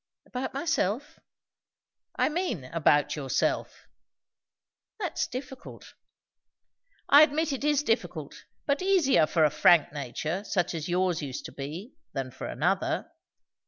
"About myself?" "I mean, about yourself!" "That's difficult." "I admit it is difficult; but easier for a frank nature, such as yours used to be, than for another."